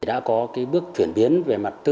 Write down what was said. đã có bước chuyển biến về mặt tư